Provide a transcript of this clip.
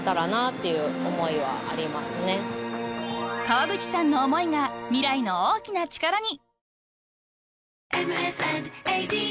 ［川口さんの思いが未来の大きな力に］